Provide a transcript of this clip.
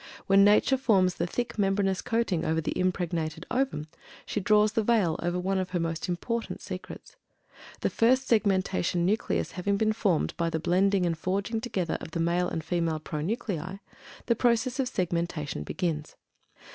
When Nature forms the thick membranous coating over the impregnated ovum, she draws the veil over one of her most important secrets. The first segmentation nucleus having been formed by the blending and forging together of the male and female pronuclei, the process of segmentation begins.